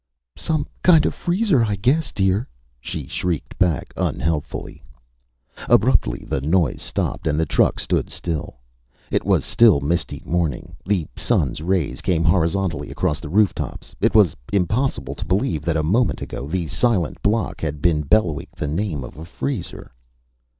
"Some kind of a freezer, I guess, dear," she shrieked back unhelpfully. Abruptly the noise stopped and the truck stood silent. It was still misty morning; the Sun's rays came horizontally across the rooftops. It was impossible to believe that, a moment ago, the silent block had been bellowing the name of a freezer.